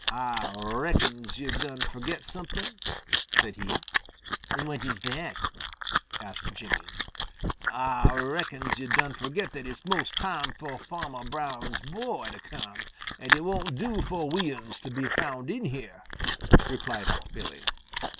"Ah reckons yo' done forget something," said he. "What is that?" asked Jimmy. "Ah reckons yo' done fo'get that it's most time fo' Farmer Brown's boy to come, and it won't do fo' we uns to be found in here," replied Unc' Billy.